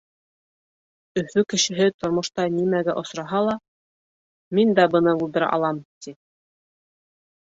Өфө кешеһе тормошта нимәгә осраһа ла, «Мин дә быны булдыра алам!» — ти.